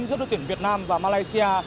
giữa đội tuyển việt nam và malaysia